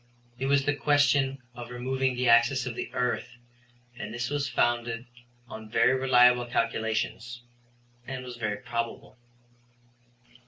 It was the question of removing the axis of the earth, and this was founded on very reliable calculations, and was very probable.